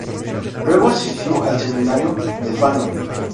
Luego asistió al seminario de Fano.